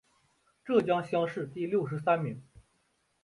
浙江乡试第六十三名。